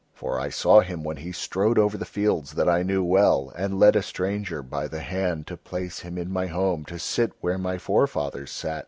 For I saw him when he strode over the fields that I knew well and led a stranger by the hand to place him in my home to sit where my forefathers sat.